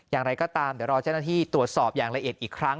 อย่างไรก็ตามเดี๋ยวรอเจ้าหน้าที่ตรวจสอบอย่างละเอียดอีกครั้ง